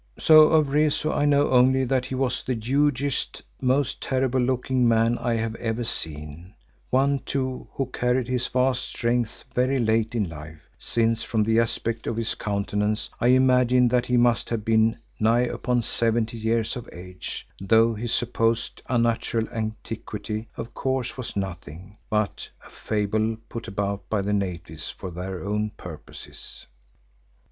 So of Rezu I know only that he was the hugest, most terrible looking man I have ever seen, one too who carried his vast strength very late in life, since from the aspect of his countenance I imagine that he must have been nigh upon seventy years of age, though his supposed unnatural antiquity of course was nothing but a fable put about by the natives for their own purposes.